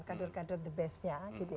kadur kadur the bestnya